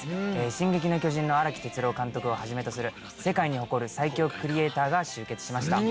『進撃の巨人』の荒木哲郎監督を始めとする世界に誇る最強クリエイターが集結しました。